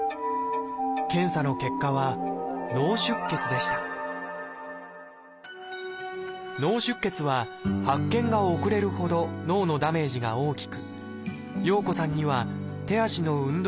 検査の結果は「脳出血」は発見が遅れるほど脳のダメージが大きく洋子さんには手足の運動